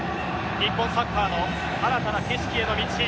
日本サッカーの新たな景色への道。